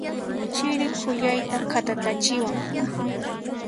Chiri khuyayta khatatachiwan.